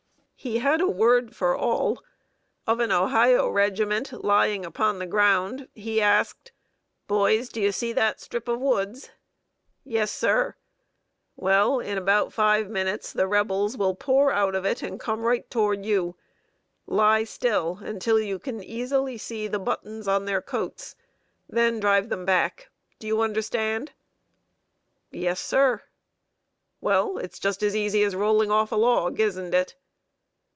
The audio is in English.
He had a word for all. Of an Ohio regiment, lying upon the ground, he asked: "Boys, do you see that strip of woods?" "Yes, sir." "Well, in about five minutes, the Rebels will pour out of it, and come right toward you. Lie still until you can easily see the buttons on their coats; then drive them back. Do you understand?" "Yes, sir." "Well, it's just as easy as rolling off a log, isn't it?"